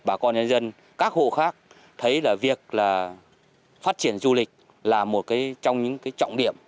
bà con nhân dân các hộ khác thấy là việc phát triển du lịch là một trong những trọng điểm